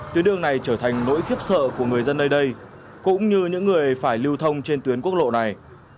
tuyến đường này trở thành nỗi khiếp sợ của người dân nơi đây cũng như những người phải lưu thông trên tuyến quốc lộ này